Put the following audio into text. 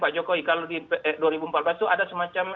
pak jokowi kalau di dua ribu empat belas itu ada semacam